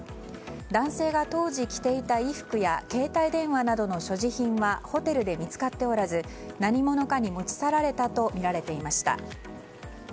男性が当時着ていた衣服や携帯電話などの所持品はホテルで見つかっておらず何者かに持ち去られたとみられていました。